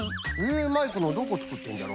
マイクのどこつくってるんじゃろうな？